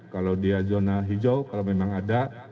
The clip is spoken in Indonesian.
kalau dia zona hijau kalau memang ada